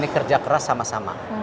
kerja keras sama sama